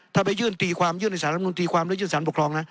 ถ้าไปยื่นตีความยื่นธรรมดุลยื่นธรรมนูลยื่นธรรมพกรองนะ